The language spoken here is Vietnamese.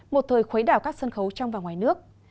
một thời khuấy đảo các sân khấu trong và ngoài nước